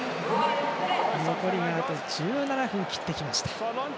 残り１７分を切ってきました。